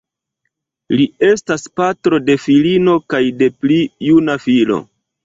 Li estas patro de filino kaj de pli juna filo.